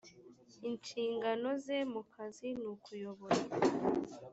inshingano ze mu kazi nukuyobora